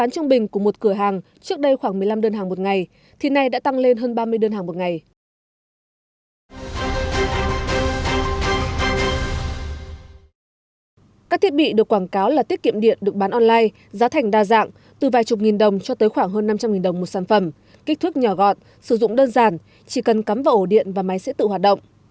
các thiết bị được quảng cáo là tiết kiệm điện được bán online giá thành đa dạng từ vài chục nghìn đồng cho tới khoảng hơn năm trăm linh nghìn đồng một sản phẩm kích thước nhỏ gọn sử dụng đơn giản chỉ cần cắm vào ổ điện và máy sẽ tự hoạt động